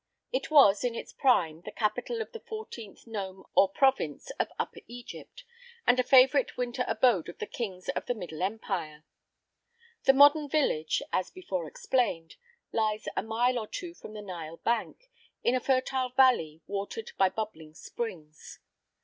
It was, in its prime, the capital of the fourteenth nome or province of Upper Egypt, and a favorite winter abode of the kings of the Middle Empire. The modern village, as before explained, lies a mile or two from the Nile bank, in a fertile valley watered by bubbling springs.